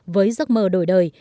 với giấc mơ đổi đời